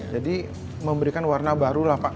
jadi memberikan warna baru lah pak